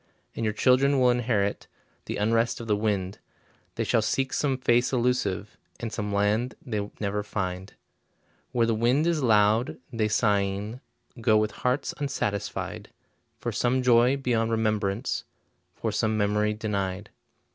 And your children will inherit The unrest of the wind, They shall seek some face elusive, And some land they never find. Where the wind is loud, they sighing Go with hearts unsatisfied, For some joy beyond remembrance, For some memory denied.